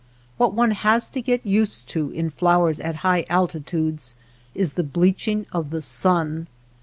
What one has to get used to in flowers at high altitudes is the bleaching of the sun.